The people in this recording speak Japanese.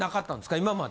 今まで。